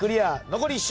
残り１周。